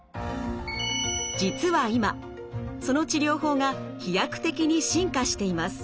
実は今その治療法が飛躍的に進化しています。